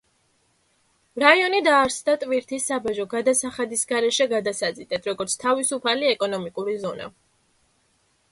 რაიონი დაარსდა ტვირთის საბაჟო გადასახადის გარეშე გადასაზიდად, როგორც თავისუფალი ეკონომიკური ზონა.